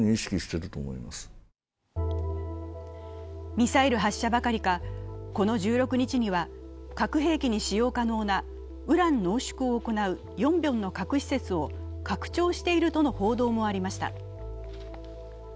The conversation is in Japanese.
ミサイル発射ばかりか、この１６日には核兵器に使用可能なウラン濃縮を行うヨンビョンの核施設を拡張しているとの報道もありました。